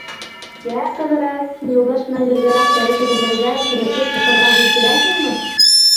— Йә, Ҡыҙырас, һин Юлдаш менән бергәләп дәрес әҙерләргә, тырышып уҡырға һүҙ бирәһеңме?